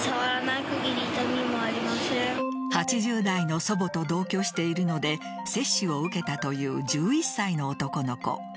８０代の祖母と同居しているので接種を受けたという１１歳の男の子。